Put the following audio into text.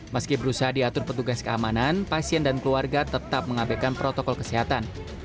meski berusaha diatur petugas keamanan pasien dan keluarga tetap mengabaikan protokol kesehatan